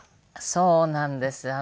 そうなんです。